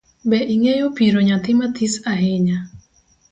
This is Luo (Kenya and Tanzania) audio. Be ingeyo piro nyathii mathis ahinya?